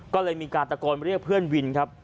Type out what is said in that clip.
ก็เลยมีการตะโกนเรียกเพื่อนวินครับ